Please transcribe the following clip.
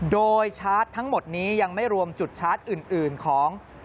โดยชาร์จทั้งหมดนี้ยังไม่รวมจุดชาร์จอื่นของ